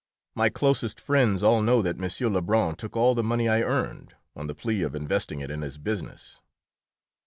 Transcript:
My closest friends all know that M. Lebrun took all the money I earned, on the plea of investing it in his business.